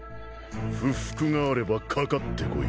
不服があればかかってこい。